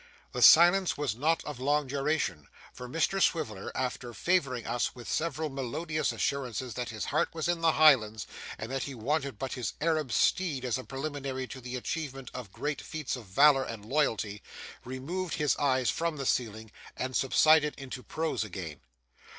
The silence was not of long duration, for Mr Swiveller, after favouring us with several melodious assurances that his heart was in the Highlands, and that he wanted but his Arab steed as a preliminary to the achievement of great feats of valour and loyalty, removed his eyes from the ceiling and subsided into prose again.